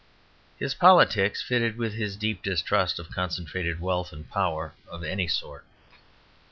His politics fitted with his deep distrust of concentrated wealth and power of any sort.